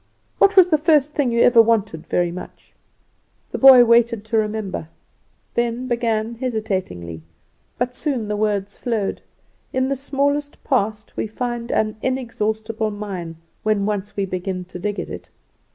What was the first thing you ever wanted very much?" The boy waited to remember, then began hesitatingly, but soon the words flowed. In the smallest past we find an inexhaustible mine when once we begin to dig at it.